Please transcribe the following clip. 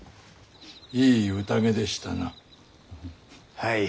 はい。